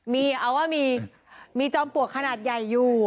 มีเอาว่ามีจอมปลวกขนาดใหญ่อยู่